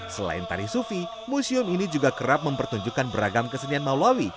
selain tari sufi museum ini juga kerap mempertunjukkan beragam kesenian maulawi